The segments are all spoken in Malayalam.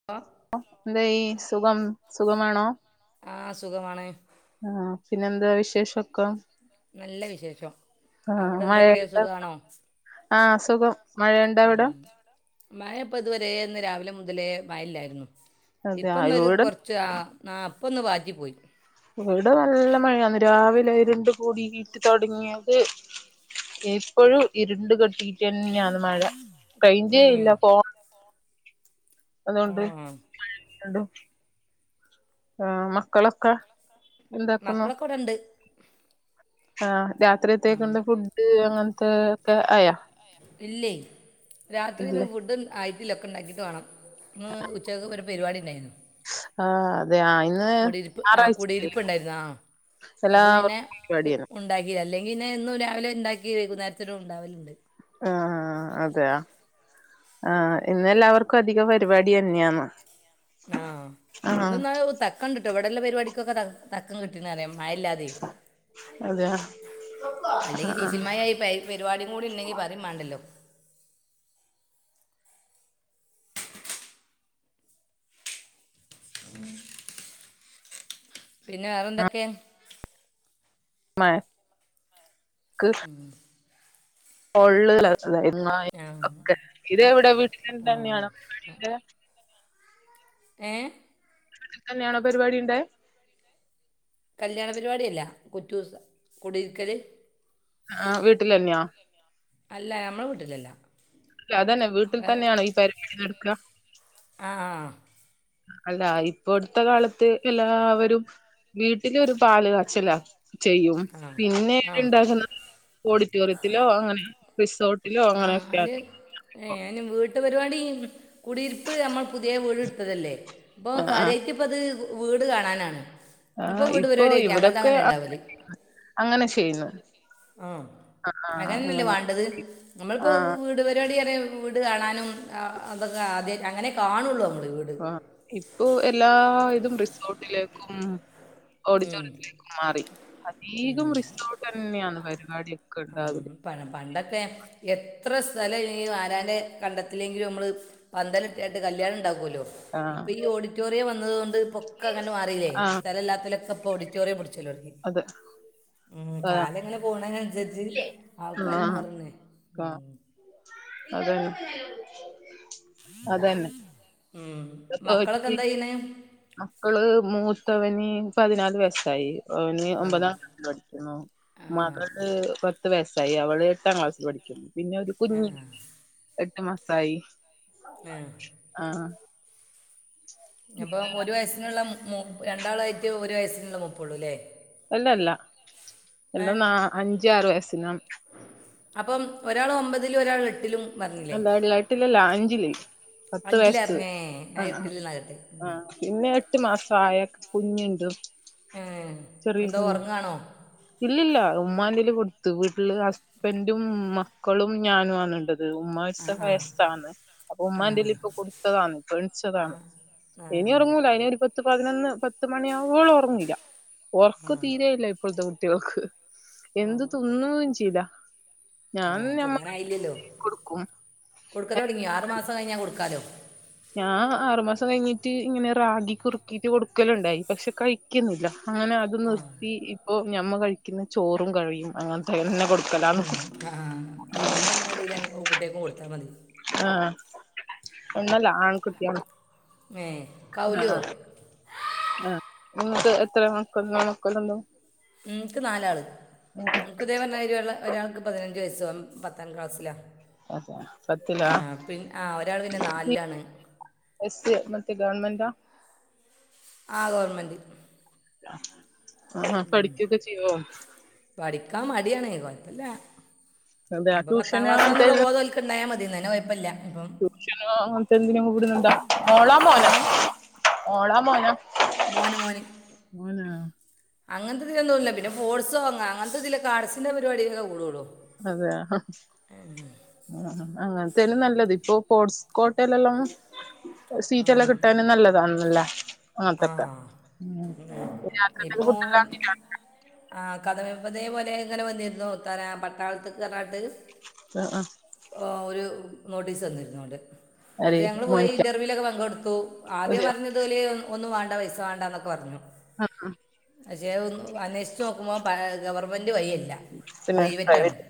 [unintelligible] [unintelligible] എന്തേയ്‌ സുഖം സുഖമാണോ ആഹ് സുഖമാണ് ആഹ് പിന്നെന്താ വിശേഷം നല്ല വിശേഷം അവിടെ എന്തൊക്കെയ സുഖാണോ ആഹ് സുഖം മഴയുണ്ടാവിടെ മായപ്പ ഇതുവരേ ഇന്ന് രാവിലെ മുതലേ മയല്ലായിരുന്നു അതെ ആ, ഇപ്പന്നൊരു ഇവിടെ കൊറ ച്ച് ഇന്നാ ഇപ്പം ഒന്ന് വാറ്റി പോയി ഇവിടെ നല്ല മഴയാന്ന് രാവിലെയിരുണ്ട് കൂടിട്ട് തൊടങ്ങിയത് ഇപ്പഴും ഇരുണ്ട് കെട്ടീട്ട് തന്നെയാണ് മഴ റെയിഞ്ചേ ഉം ഇല്ല ഫോ അതുകൊണ്ട് ആ ആഹ് മക്കളൊക്കെ എന്താക്കുന്നു മക്കളൊക്കെ ഇവിടെണ്ട് ആഹ് ഉം രാത്രിയത്തേക്കണ്ട് ഫുഡ് അങ്ങനത്തെ ഒക്കെ ആയാ ഇല്ലേ രാത്രിന്ന് ഇല്ലേ ഫുഡും ആയിറ്റില്ല ഒക്കെ ഇണ്ടാക്കിയിട്ട് വേണം ഇന്ന് ഉച്ചക്ക് ഒരു പരിപാടി ഉണ്ടായിരുന്നു ആഹ് അതെ ആ ഇന്ന് കുടിയിരിപ്പ് ആഹ് ഞായറാഴ്ചയല്ലേ കുടിയിരിപ്പ് ഇണ്ടായിരുന്നാ അപ്പം പിന്നെ എല്ലാവർക്കും പരിപാടിയാണ് ഉണ്ടാക്കില അല്ലെങ്കി ഇന്നെ എന്നും രാവിലെ ഇണ്ടാക്കി വൈകുന്നേരത്തിന് ഉണ്ടാവലുണ്ട് ആഹ് അതെയ ആഹ് ഇന്നെല്ലാവർക്കും അധിക പരിപാടി തന്നെയാണ് ആഹ് ഇന്ന്നാലുംക്കെ തക്കംണ്ട്ട്ടോ ഇവിടൊള്ള പരിപാടിക്കൊക്കെ തക്കം കിട്ടീന്ന് പറയും മഴല്ലാതെ അതെയ ആഹ് അല്ലെങ്കി ആഹ് [unintelligible] പരിപാടി കൂടി ഇണ്ടെങ്കി പറയും മേണ്ടല്ലോ [unintelligible] പിന്നെ വേറെന്തൊക്കെയ മഴ ക്ക് ഉം റ് [unintelligible] ആഹ് ഒക്കെ ഇതെവിടെ ആഹ് ആഹ് വീട്ടിന്റടുത്തന്നെയാണ് പരിപാടിയൊക്കെ ഏഹ് വീട്ടില് തന്നെയാണോ പരിപാടിണ്ടെ കല്യാണ പരിപാടി അല്ല [unintelligible] കുടിരിക്കല് ആഹ് വീട്ടിലന്നയോ അല്ല ഞമ്മള വീട്ടിലല്ല അതന്നെ വീട്ടിൽ വേറെ തന്നെയണോ ഈ പരിപാടി നടക്കുക ആഹ് ആഹ് ആഹ് അല്ല ഇപ്പോടുത്തെ കാലത്ത് എല്ലാവരും വീട്ടിലൊരു പാല് കാച്ചലാ ചെയ്യും ആ പിന്നെവിടെ ആ ഇണ്ടാക്കുന്നത് ഓഡിറ്റോറിയത്തിലോ അങ്ങനെ റിസോർട്ടിലോ ആഹ് [unintelligible] ഏഹ് ഞൻ വീട്ടു പരിപാടി കുടിയിരിപ്പ് നമ്മൾ പുതിയ വീട് ഇടുത്തതല്ലേ ഇപ്പൊ ആഹ് കാര്യായിറ്റിപ്പത് വീട് കാണാനാണ് അപ്പോൾ ആഹ് വീട് ഇപ്പൊ പരിപാടിയായിട്ട് ഞങ്ങളത് ഇവിടൊക്കെ അങ്ങനെ ഉണ്ടാവല് [inaudible] അങ്ങനെ ചെയ്യുന്ന് ആഹ് അങ്ങനന്നല്ലേ വേണ്ടത് നമ്മളിപ്പോ ആഹ് വീട് പരിപാടിന്ന്റയുമ്പോ വീട് കാണാനും അതൊക്കെ ആദ്യയിറ്റ് അങ്ങനെ കാണുള്ളൂ നമ്മൾ വീ ആഹ് ഇപ്പൊ എല്ലാ ഇതും റിസോർട്ടിലേക്കും ഉം. ഓഡിറ്റോറിയത്തിലേക്ക് മാറി അധീകം റിസോർട്ട്ന്നെയാണ് പരിപാടിയക്കെ ആഹ്. പ പണ്ടൊക്കെ എത്ര സ്ഥലം ഇ ആരാന്റെ കണ്ടത്തിലെങ്കിലും മ്മള് പന്തല് രണ്ട് കല്യാണം ഇണ്ടാകുവല്ലോ ഇപ്പൊ ആഹ് ഈ ഓഡിറ്റോറിയം വന്നത് കൊണ്ട് ഇപ്പൊക്കെ അങ്ങനെ മാറിയില്ലേ ആഹ് സ്ഥലം ഇല്ലാത്തലൊക്കെ ഓഡിറ്റോറിയം പിടിച്ചോലോടങ്ങി അതെ അതാ കാല എങ്ങനെ പോണ ആൾക്കാര് മാറുന്നേ ഉ അതെ അതന്നെ ഉം ഇപ്പൊ ഈ മക്കളക്കെന്തായ്യണ് മക്കള് മൂത്തവന് പതിനാല് വയസ്സായി അവന് ആ ഒമ്പതാ പഠിക്കുന്നു ആ ആ മകള് പത്ത് വയസ്സായി അവള് എട്ടാം ക്ലാസ്സിൽ പഠിക്കുന്നു പിന്നെ ഒരു ആ കുഞ്ഞി എട്ട് മാസമായി ആ ആഹ്‌. നിപ്പോ ഒരു വയസ്സിനുള്ള മു രണ്ടാളായിട്ട് ഒരു വയസ്സിനള്ള മുപ്പള്ളൂല്ലേ അല്ലല്ല എല്ലാം നാ അഞ്ച ആറ് വയസ്സിന അപ്പം ഒരാൾ ഒമ്പതിലും ഒരാൾ എട്ടിലും പറഞ്ഞില്ലേ അല്ലാ ഏട്ടിലല്ല അഞ്ചില് പത്ത് വയസ്സ് അഞ്ചിലറിഞ്ഞേ ഞാൻ ആ അ. എട്ടിൽ നിന്നാകട്ടെ ആ പിന്നെ എട്ട് മാസ ആയ കുഞ്ഞിണ്ട് ചെറിയ എന്തോ കു ഉറങ്ങാണോ ഇല്ലില്ല ഉമ്മാതിൽ കൊടുത്തു വീട്ടില് ഹസ്ബന്റും മക്കളും ഞാനും ആണള്ളത് ഉമ് ആ വഴിച്ച ആ വയസ്സാണ് അപ്പൊ ആ ഉമ്മന്റീൽ ഇപ്പൊ കൊടുത്തതാണ് ഇപ്പ ആ എണിച്ചതാണ് ആ ഇനി ഉറങ്ങൂല ഇനി ഒരു പത്ത് പതിനൊന്ന് പത്ത് മണി ആവോള ഉറങ്ങൂല്ല ആ ആ ഉറക്ക തീരെയില്ല ഇപ്പോഴത്തെ കുട്ടികൾക്ക് എന്ത് തിന്നു ചില ആ തിന്നാനായില്ലല്ലോ കൊടുക്കലോ തുടങ്ങിയോ ആറ് മാസം കഴിഞ്ഞാ കൊടുക്കാലോ ഞാ ആറുമാസ കഴിഞ്ഞിട്ട് ഇങ്ങനെ റാഗി കുറുക്കിയിട്ട് കൊടുക്കലിണ്ടായി പക്ഷെ കഴിക്കിന്നില്ല അങ്ങനെ അത് ആ നിർത്തി ഇപ്പോ ഞമ്മ കഴിക്കുന്ന ചോറും കഴിയും അങ്ങനത്തെ ന്നെ കൊടു കലാണ് ന കുട്ട്യാക്കും കൊടുത്താ മതി ആ എന്നല്ല ആൺകുട്ടിയും ഏ ആ കൗലിയോ ആ ഇങ്ങക്ക് എത്ര മക്ക മക്കളുണ്ടോ ഇൻക്ക് നാലാള് ഇതെ പറഞ്ഞാതിരി ള്ള ഒരാൾക്ക് പതിനഞ്ച് വയസ്സ് പത്താം ക്ലാസ്സിലാണ അത പത്തില ആ ഒരാൾ പിന്നെ നാലിലാണ് എസ് സി മറ്റേ ഗവർൺമെന്റാ ആ ഗവൺമെൻറ് ആ പഠിക്കൊക്കെ ചെയ്യോ പഠിക്കാൻ മടിയാണ് കൊയപ്പല്ല അതെ ഇപ്പ പത്താം ട്യൂഷന് അങ്ങനത്തെ ക്ലാസന്നുള്ള ബോധോ ഓൽ ഒ ഉണ്ടായാ മതി ന്ന കുഴപ്പല്ല അ സൂഷോ അങ്ങനത്തെ എന്തിന വിടുന്നുണ്ടോ? മോളാ മോന ഏ മോളാ മോന മോന് മോന് അങ്ങനത്തെ ഇതിന്നില്ല പിന്നെ സ്പോട്സോ അങ്ങ അങ്ങനത്തെതിൽ ആർട്സിന്റെ പരിപാടിക്കൊക്കെ കൂടൊള്ളു അതെ ആ അങ്ങനത്തന്നെ നല്ലത് ഇപ്പോ പോട്സ് കോട്ടയിലെല്ലാം ആം. സീറ്റ്ല്ലാം കിട്ടാനും നല്ലതാണല്ലേ ആ തക്കത്ര ഉം. ഇപ്പോ [unintelligible] ആ കഥമപതേ പോലെ ഇങ്ങനെ വന്നിരുന്നു തര പട്ടാളത്തകരഞ്ഞാണ്ട് ആ ആഹ് ഒരു മോടിസ് തന്നിരുന്നുണ്ട് അറി മോനിക്ക വിലൊക്കെ പങ്കെടുത്തു ആദ്യം പറഞ്ഞതുപോലെ ഒന്നും വേണ്ട പൈസ വേണ്ടന്നൊക്കെ പറഞ്ഞു ആഹ് അഹ് പക്ഷേ ഒന്ന് അന്വേഷിച്ച് നോക്കുമ്പോൾ ഗവൺമെൻറ് വഴിയല്ല പിന്നെ പ്രൈവറ്റാണ് പ്രൈവറ്റ്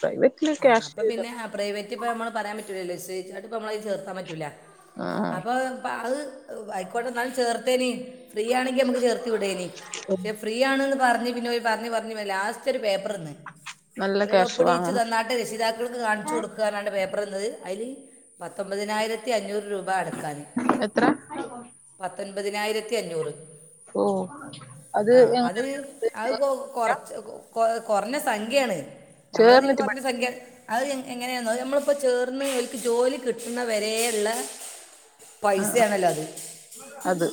പ്രൈവറ്റില് ആ ക്യാഷ് അപ്പം പിന്നെ ആ പ്രൈവറ്റ് ഇപ്പ നമ്മള് പറയാൻ പറ്റൂലല്ലോ വിശ്വസിച്ചാണ്ട് നമ്മള ചേർത്താൻ പറ്റൂല്ല ആഹ് അപ്പൊ അത് ആയിക്കോട്ടെ ഇന്നാലും ചേർത്തേനി. ഫ്രീ ആണെങ്കിൽ നമുക്ക് ചേർത്ത് വിടേനി. ഫ്രീ ആണന്ന് പറഞ്ഞ് പിനോല് പറഞ്ഞു പറഞ്ഞ് ലാസ്റ്റ് ഒരു പേപ്പർന്ന്. നല്ല അവരോടെ ക്യാഷ് ഒപ്പിടിച്ച് വാങ്ങണം തന്നാട്ട് രക്ഷിതാക്കൾക്ക് കാണിച്ചു കൊടു ട്ട് പേപ്പർ തന്നത് അതിൽ പത്തൊമ്പതിനായിരത്തി അഞ്ഞൂറ് രൂപ പ അടക്കാൻ എത്ര പത്തൊൻപതിനായിരത്തി അഞ്ഞൂറ്. ഓ അത് ആ അത് എങ്ങനെ അത് കൊ കൊറച്ച് കൊ കുറഞ്ഞ സംഖ്യാണ് നമ്മളതില് ചേർന്നിട്ട് കുറഞ്ഞ പഠിക്ക സംഖ്യ. അത് എങ്ങനെ എന്നോ നമ്മളിപ്പോൾ ചേർന്ന് ഒല്ക്ക് ജോലി കിട്ടുന്നവരെയ ഉള്ള. ആഹ് പൈസയാണല്ലോ അത് അത്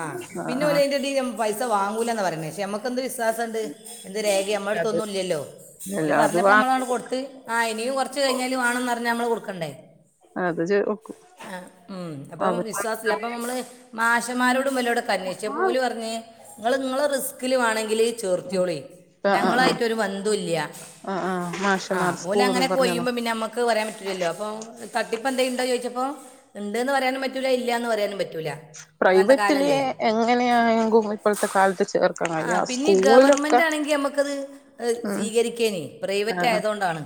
ആഹ് പിന്നെ ഓൽ അയ്ന്റെ പൈസ വാങ്ങൂലന്ന പറയേ പക്ഷെ നമുക്ക എന്ത് വിശ്വാസംണ്ട്. എന്ത് രേഖ നമ്മള് അത് അടുത്തൊന്നും ഇല്ലല്ലോ ഓൽ ഇല്ല അത് പറഞ്ഞപ്പ വാങ്ങി നമ്മളാണ്ട് കൊടുത്ത്. ആഹ് ഇനും കുറച്ച് കഴിഞ്ഞാല് വേണംന്ന് പറഞ്ഞാൽ നമ്മള് കൊടുക്കണ്ടേ? അത് ചെ [unintelligible] ആഹ് ഉം അപ്പൊ വിശ്വാസല്ല അപ്പൊ നമ്മള്. മാഷന്മാരോടും ഇപ്പലോട്ക്കെ അന്വേഷിച്ച് അപ്പൊ ആഹ് ഓൽ പറഞ്ഞ് നിങ്ങള് നിങ്ങളെ റിസ്കിൽ വേണെങ്കിൽ. ചേർത്തിയോളി ആഹ് ആഹ് ഞങ്ങളായിട്ട് ഒരു ബന്ധംഇല്ല. ആഹ് ആഹ് മാഷമാർ ആഹ് ഓൽ സ്കൂൾന്ന് അങ്ങനെക്കെ പറഞ്ഞതാ പോയുമ്പോ പിന്നെ നമ്മുക്ക് പറയാൻ പറ്റില്ലല്ലോ അപ്പൊ തട്ടിപ്പ് എന്തെൽ ഉണ്ടോ ചോദിച്ചപ്പോ ഇണ്ട്ന്ന് പറയാനും പറ്റൂല്ല ഇല്ലന്ന് പറയാനും പറ്റൂല. അങ്ങനത്തെ പ്രൈവറ്റിലെ കാലല്ലേ എങ്ങനെയണെങ്കും ഇപ്പോഴത്തെ കാലത്ത് ആ ചേർക്കണല്ലോ പിന്നെ ഗവർമെന്റ് ആണെങ്കിൽ നമുക്കത് ഉം സ്വീകരിക്കെന് പ്രൈവറ്റ് ആയതുകൊണ്ടാണ്.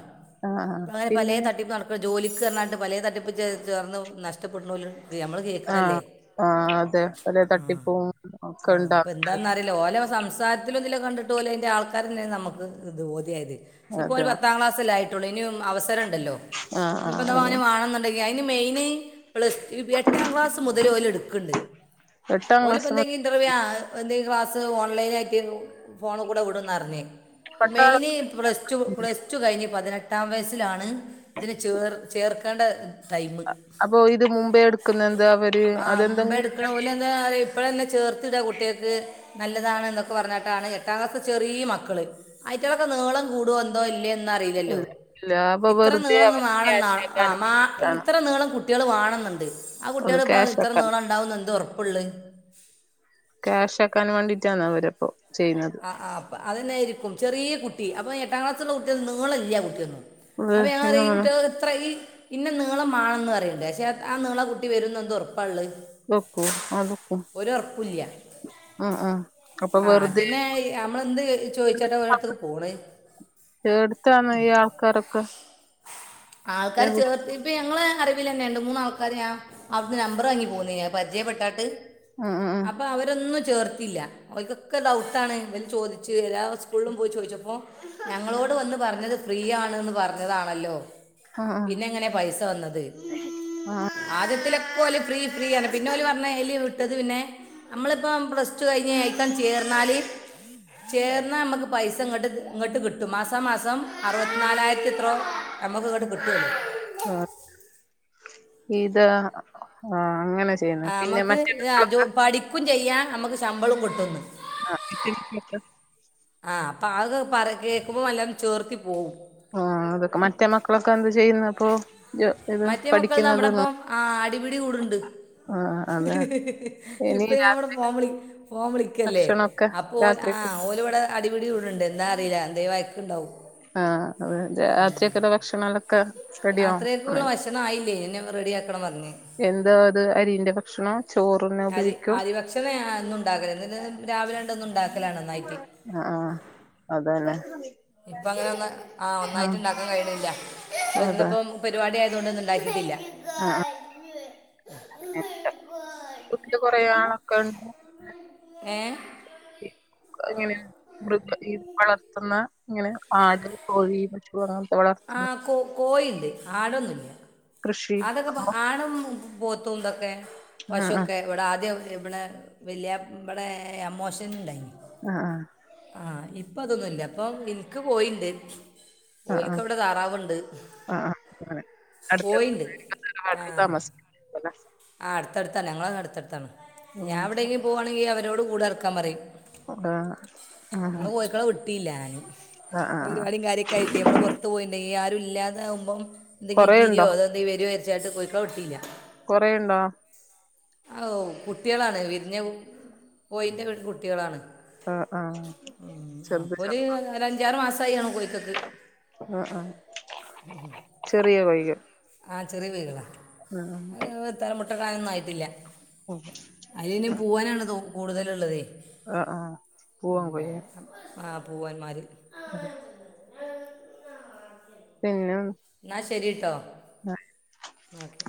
ആഹ് ആഹ് പിന്നെ. ഇപ്പോ ജോലിക്ക് പറഞ്ഞിക്കാട്ട് പലയെ തട്ടിപ്പ് ച ചേർന്ന് നഷ്ടപ്പെട്ണോൽണ്ട്. ആഹ് ആഹ് അതെ പലെ തട്ടിപ്പും ഒക്കെ ഉണ്ടാ എന്താന്ന അറിയില്ല ഓലെ സംസാരത്തിലും ഇതിലും കണ്ടിട്ട് ഓൽ ഇതിന്റെ ആൾക്കാരന്നെയെ നമുക്ക് ഇത് ബോധിയായത്. ഇപ്പോ ഓൽ അതെ പത്താം ക്ലാസ്സല്ലെ ആയിട്ടുള്ളൂ ഇനിയും അവസരം ഉണ്ടല്ലോ ആഹ് ഇനിപ്പ ആഹ് ഓന് അയിന് ഒന്ന് വേണന്ന് ടങ്ങിൽ അതിന് മെയ്ന്. പ്ലസ് എട്ടാം ക്ലാസ് മുതൽ ഓല് എടുക്ക്ണ്ട് എട്ടാം ഓല് ക്ലാസ് ഇപ്പോഇന്തെ മുതൽ ഇൻ്റർവ്യൂ ആഹ് എന്തെങ്കിലും ക്ലാസ്സ് ഓൺലൈനായിയിട്ട് ഫോൺകൂടെ വിടുംന്നറിഞ്ഞ്. പട്ടാളം മെയിന് പ്ലസ് ടു പ്ലസ് ടു കഴിഞ്ഞ് പതിനെട്ടാം വയസ്സിലാണ്. ഇതിന് ചേർ ചേർക്കേണ്ട ടൈം. അപ്പൊ ഇത് മുമ്പേ എടുക്കുന്ന എന്താ അവര് അതെന്തെും. അല്ലെ [unintelligible] ഇപ്പഴ്ല്ലെ ചേർത്തിടാ കുട്ടികൾക്ക്. നല്ലതാണ് എന്നൊക്കെ പറഞ്ഞിട്ടാണ് എട്ടാം ക്ലാത്തെ ചെറിയ മക്കള് ആയിറ്റങ്ങൾക്കെ നീളം കൂടു ഓ ഇല്ലെന്ന് അറിയില്ലല്ലോ ഇല്ല ഇല്ല അപ്പൊ ഇത്ര വെറുതെ നീളം അവർക്ക് ക്യാഷ് വാണന്നാണ് ആക്കാനും ആഹ് വേണ്ടിട്ടാണ് ഇത്ര നീളം കു കുട്ടികൾ വാണെന്നുണ്ട് ആഹ് അത് കുട്ടികളിപ്പം ക്യാഷ് ഇത്ര ആക്കാൻ നീളം ഉണ്ടാവുന്നു എന്താ ഉറപ്പ്ള്ളത്. ക്യാഷ് ആക്കാൻ വേണ്ടിട്ടാണ് അവര് ഇപ്പോ ചെയ്യുന്നത്. ആഹ് ആഹ് അപ്പ അതന്നെയായിരിക്കും ചെറിയ കുട്ടി അപ്പൊ എട്ടാം ക്ലാസ്സുള്ള കുട്ടാൾ നിളം ഇല്ല കുട്ടിയൊന്നും. അപ്പ ഞങ്ങൾ പറയും ഈ കുട്ടാൾ. ഇത്ര ഈ ഇന്നെ നീളമാണന്ന് പറയ്ല്ലെ പക്ഷേ ആഹ് നീളം കുട്ടി വരും എന്ത ഉറപ്പ്ളെ? [unintelligible] അത്ക്കും ആഹ് ആഹ് അപ്പൊ ആ വെറുതെ. പിന്നെ നമ്മളെന്ത് ചോദിച്ചേട്ടാ ഒരെട്ത്ത്ക്ക് പോണേ? ഏട്ത്താണ് ഈ ആൾക്കാരൊക്കെ? ആൾക്കാര് എവിടെ ചേർത്തി. ഇപ്പ ഞങ്ങളെ അറിവിലന്നെ ണ്ട് രണ്ട് മൂന്നാൾക്കാര് ഞാ അവിടുന്ന് നമ്പർ വാങ്ങി പോന്നിന് ഞാൻ പരിചയപ്പെട്ടാട്ട്. ഉം ഉം ഉം അപ്പ അവരൊന്നും ചേർത്തില്ല ഓൽക്കൊക്കെ ഡൗട്ടാണ് ഇവൽ ചോദിച്ചു വരാ സ്കൂ ള്ളും പോയി ചോയിച്ചപ്പോ ഞങ്ങളോട് വന്ന് പറഞ്ഞത് ഫ്രീ ആണന്ന് പറഞ്ഞതാണല്ലോ ഉം പിന്നെ എങ്ങനെ പൈസ വന്നത്. ആദ്യത്തിലെക്കെ ഓൽ ഫ്രീ ഫ്രീ റ്ഞ്ഞ് പിന്നെ ഓല് പറ്ഞ്ഞ് അയ്ല് വിട്ടത് പിന്നെ നമ്മളിപ്പം പ്ലസ് ടു കഴിഞ്ഞ് അയ്ക്കാട്ട് ചേർന്നാല്. ചേർന്നാ മ്മക്ക് പൈസ ഇങ്ങട്ട് ഇങ്ങട്ട് കിട്ടും മാസ മാസം അറുപത്തിനാലായിരത്തി ത്രോ ഞമ്മക്ക് ഇങ്ങട്ട് കിട്ട ല്ലോ ആ ഇത് ആ അങ്ങനെ ആ, പിന്നെ നമുക്ക് മറ്റെ ആ [unintelligible] ജോ- പഠിക്കും ചെയ്യാ ഞമ്മക്ക് ശമ്പളും കിട്ടൂന്ന് ആഹ് [unintelligible] ആഹ് അപ്പൊ അകെ പറ കേൾക്കുമ്പം വല്ലോം ചേർത്തി പോവും ആ അതൊക്കെ മറ്റേ മക്കളൊക്കെ എന്ത് ചെയ്യുന്നു അപ്പൊ ഇത് മറ്റേ മക്കൾ നമ്മടെ പഠിക്കുന്നതാണ് ഒപ്പം ആ അടിപിടി കൂടുണ്ട് ആഹ് അതെ ഇനി ഇപ്പൊ ഞാനിവിടെ രാത്രി ഫോൺ വിളി ഫോൺ വിളിക്കല്ലേ ഭക്ഷണൊക്കെ അപ്പൊ ഓൻ ആ രാത്രിക്ക് ഇവിടെ അടിപിടി കൂട്ണ്ട് എന്താ അറില്ല എന്തെ വഴക്ക്ണ്ടാവും ആ അതെ രാത്രിക്ക്ള്ള ഭക്ഷണൊക്കെ റെഡി യാക്കണ്ണം ഇനി ഒന്നും ആയില്ലേ ഇഞ്ഞ് റെഡി യാക്കണം പറ്ഞ്ഞേ എന്താ അത് അരിന്റെ ഭക്ഷണാ അരി ആരി ഭക്ഷണാ ഞാ എന്നും ഉണ്ടാക്കല് എന്നും ന്ന് രാവിലെ രണ്ട ഒന്നും ഉണ്ടാക്കലാണ് ഒന്നായിട്ട് ആഹ് അതെല്ലെ ഇപ്പ അങ്ങനെ ഒന്ന് ആഹ്‌ ഒന്നായിട്ട് ഇണ്ടാക്കാൻ കയ്യിണ്ല്ല ഓ അതാ ഇന്ന്പ്പം പരിപാടി ആയ തൊണ്ട് ഒന്നും ഉണ്ടാക്കീട്ടില്ല ആഹ് [inaudible] കൊറേ ആ മക്കള്ണ്ടോ ഏ ഇങ്ങനെ മൃഗ ഈ വളർത്തുന്ന ഇങ്ങനെ ആട് കോഴി പശു അങ്ങനത്തെ വളർത്തുന്ന ആഹ് കോ കോയിണ്ട് ആടൊന്നുല്ല കൃഷി അതൊക്കെ അപ്പൊ ആടും പോത്തും ഇതൊക്കെ ആ ആ പശുവൊക്കെ ഇവിടെ ആദ്യം ഇവിടെ വല്ല്യ യാ ഇവിടെ അമ്മാ ഷൻണ്ടായിനി ആഹ്‌ ആഹ്‌ ഇപ്പ അതൊന്നും ഇല്ല ഇപ്പൊ ഇൻക്ക് കോയിണ്ട് ആഹ് ആഹ് ആ ആ അങ്ങനെ അടുത്ത കോഴിയുണ്ട് [inaudible] താമസിക്ക [unintelligible] ആഹ് അടുത്തടുത്താണ് ഞങ്ങള് അടുത്തടുത്താണ് ഞാൻ ആ എവിടെങ്കിലും പോവാണെങ്കിൽ അവരോട് കൂട് അടക്കാൻ പറയും ആ ഇന്ന് കോഴികളെ വിട്ടില്ല ഞാന് ആ ആ ആ. പരിപാടിം കാര്യ ക്കെയിട്ടേ നമ്മൾ പുറ്ത്ത് പോയിണ്ടങ്കി ആരും ഇല്ലാതാവുമ്പോ എന്തെങ്കിം കൊറേ കീരിയോ ഉണ്ടോ അതോഎന്തെങ്കി വരോ ചാര്ച്ച് കോഴിക്കളെ വിട്ടില്ല കൊറെ ണ്ടോ അഹോ കുട്ടിയാളാണ് വിരിഞ്ഞ കോയിന്റെ കുട്ടിയാളാണ് ആ ആ ഉം ചെറുത് അപ്പൊര് ചെറുത് ഒര അഞാറു മാസമായികാണും കോഴിക്കക്ക് ആഹ്ആഹ്ചെറിയ കോഴിക്ക് ആ ചെറിയ കോഴികളാ അഹ് ത്ത മുട്ട ടാനൊന്നും ആയിട്ടില്ല ഓക്കെ അയില് ന് പൂവനാണ് കൂടുതലുള്ളത് ആഹ്‌ ആഹ്‌ പൂവൻ കോഴിയ ആഹ്പൂവന്മാര് അതെ പിന്നെ ന്നാ ശരിട്ടോ ആ ന്നാ ഓക്കെ